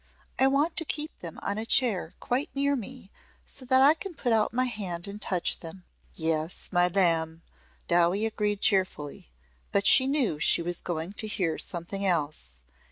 I want to keep them on a chair quite near me so that I can put out my hand and touch them." "Yes, my lamb," Dowie agreed cheerfully. But she knew she was going to hear something else.